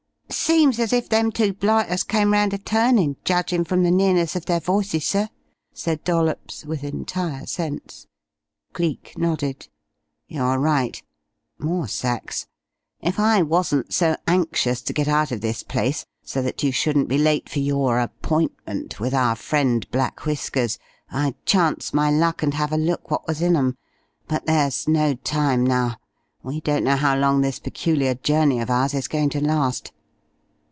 "Seems as if them two blighters came round a turnin', judging from the nearness of their voices, sir," said Dollops, with entire sense. Cleek nodded. "You're right.... More sacks. If I wasn't so anxious to get out of this place so that you shouldn't be late for your 'appointment' with our friend Black Whiskers, I'd chance my luck and have a look what was in 'em. But there's no time now. We don't know how long this peculiar journey of ours is going to last."